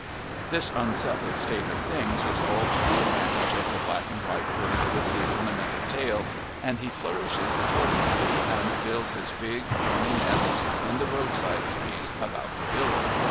This unsettled state of things is all to the advantage of the black and white bird with the ornamental tail, and he flourishes accordingly and builds his big, thorny nests in the roadside trees about the village.